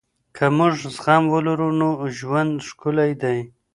که موږ زغم ولرو نو ژوند ښکلی دی.